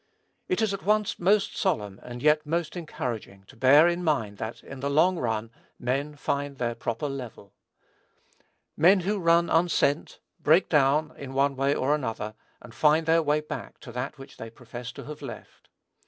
It is at once most solemn, and yet most encouraging, to bear in mind that, in the long run, men find their proper level. Men who run unsent, break down, in one way or another, and find their way back to that which they profess to have left.